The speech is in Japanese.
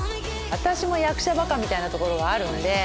私も役者バカみたいなところがあるんで。